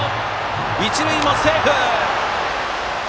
一塁もセーフ！